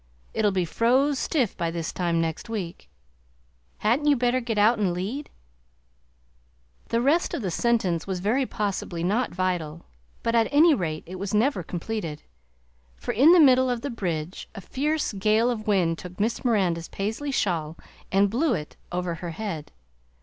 It'll be froze stiff by this time next week. Hadn't you better get out and lead" The rest of the sentence was very possibly not vital, but at any rate it was never completed, for in the middle of the bridge a fierce gale of wind took Miss Miranda's Paisley shawl and blew it over her head.